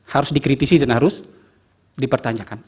harus dikritisi dan harus dipertanyakan